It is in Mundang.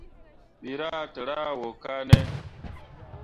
Wǝ rah tǝrah wo kane.